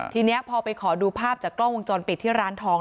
ทีนี้พอไปขอดูภาพจากกล้องวงจรปิดที่ร้านทอง